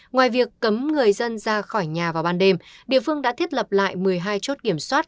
ngoài việc cấm người dân ra khỏi nhà vào ban đêm địa phương đã thiết lập lại một mươi hai chốt kiểm soát